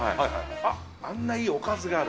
あっ、あんないいおかずがある。